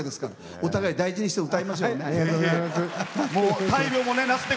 お互い大事にして歌いましょう。